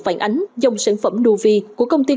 phản ánh dòng sản phẩm nuvi của công ty